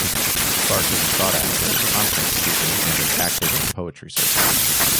Clarke is a sought-after conference speaker and is active in poetry circles.